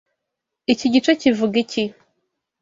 Iki gice kivuga iki